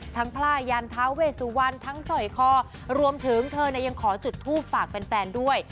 ทั้งผ้ายันท้าเวสวันทั้งสอยคอรวมถึงเธอยังขอจุดทูปฝากแฟนด้วย